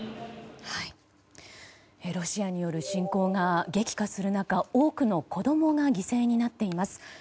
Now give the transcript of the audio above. ロシアによる侵攻が激化する中多くの子供が犠牲になっています。